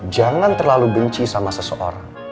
jangan terlalu benci sama seseorang